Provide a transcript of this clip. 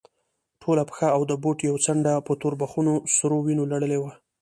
ټوله پښه او د بوټ يوه څنډه په توربخونو سرو وينو لړلې وه.